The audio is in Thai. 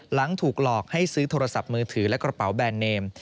หลังถูกหลอกให้ซื้อโทรศัพท์มือถือและกระเป๋าแบรนดเนม